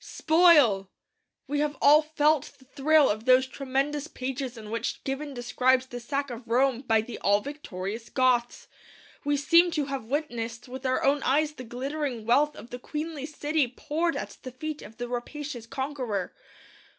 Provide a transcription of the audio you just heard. Spoil! We have all felt the thrill of those tremendous pages in which Gibbon describes the sack of Rome by the all victorious Goths. We seem to have witnessed with our own eyes the glittering wealth of the queenly city poured at the feet of the rapacious conqueror.